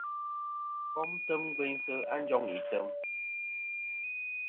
Kom ni-a tem gveynsɨ̀ a njoŋ item.